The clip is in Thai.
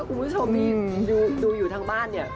ดูอยู่ทั้งบ้านเนี่ย